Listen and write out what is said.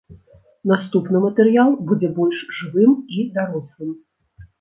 Наступны матэрыял будзе больш жывым і дарослым.